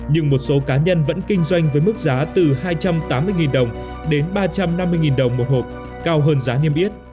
nhưng một số cá nhân vẫn kinh doanh với mức giá từ hai trăm tám mươi đồng đến ba trăm năm mươi đồng một hộp cao hơn giá niêm yết